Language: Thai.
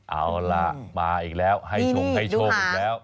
เอาล่ะมาอีกแล้วให้ชมอีกแล้ว